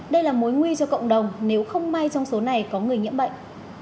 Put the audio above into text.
đây là mối nguy cho cộng đồng nếu không may trong số này có người nhiễm bệnh